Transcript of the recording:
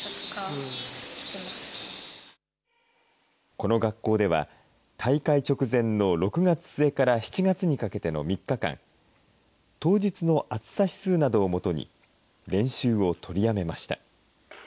この学校では、大会直前の６月末から７月にかけての３日間、当日の暑さ指数などを基に、練習を取りやめました。